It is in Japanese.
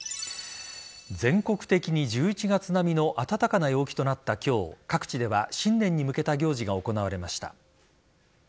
全国的に１１月並みの暖かな陽気となった今日各地では新年に向けた行事が行われました。